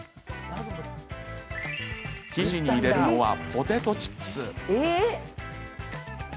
生地に入れるのはポテトチップス。